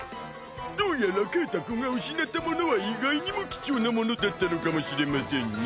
どうやらケータくんが失ったものは意外にも貴重なものだったのかもしれませんね。